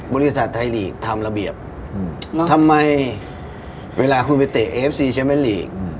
บริษัทไทยลีกทำระเบียบทำไมเวลาคุณไปเตะเอฟซีแชมเป็นลีก